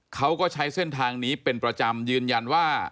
เขาก็ใช้เส้นทางนี้เป็นประจำยืนยันว่า